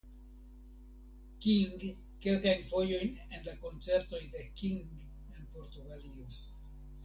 King kelkajn fojojn en la koncertoj de King en Portugalio.